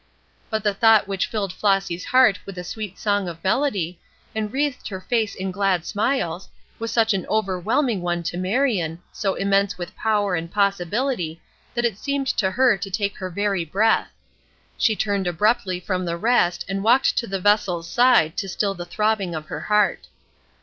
But the thought which filled Flossy's heart with a sweet song of melody, and wreathed her face in glad smiles, was such an overwhelming one to Marion, so immense with power and possibility, that it seemed to her to take her very breath; she turned abruptly from the rest and walked to the Teasel's side to still the throbbing of her heart.